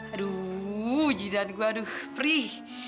aduh jizad gue aduh perih